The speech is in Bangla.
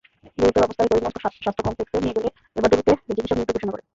গুরুতর অবস্থায় করিমগঞ্জ স্বাস্থ্যকমপ্লেক্সে নিয়ে গেলে এবাদুলকে চিকিৎসক মৃত ঘোষণা করেন।